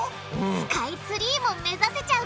スカイツリーも目指せちゃうかも？